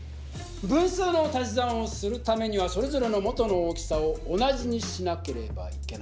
分数の足し算をするためにはそれぞれの元の大きさを同じにしなければいけない。